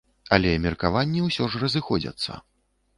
Але меркаванні ўсё ж разыходзяцца.